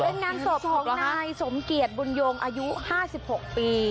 เป็นงานศพของนายสมเกียจบุญโยงอายุ๕๖ปี